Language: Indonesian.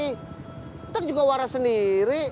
ntar juga waras sendiri